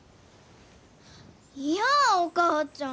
いやお母ちゃん！